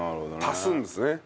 足すんですね。